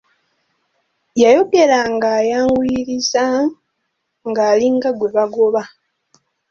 Yayogeranga ayanguyiriza ng'alinga gwe bagoba.